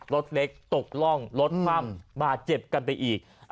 รถเล็กตกร่องรถคว่ำบาดเจ็บกันไปอีก